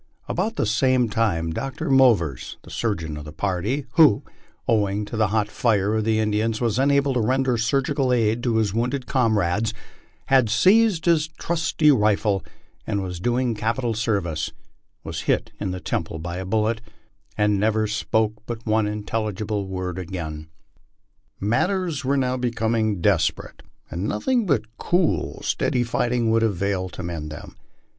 About the same time Dr. Movers, the surgeon of the party, who, owing to the hot fire of the Indians, was unable to render surgical aid to his wounded comrades, had seized his trusty rifle and was doing capital service, was hit in the temple by a bullet, and never spoke but one intelligible word again. Matters were now becoming desperate, and nothing but cool, steady fight ing would avail to mend them.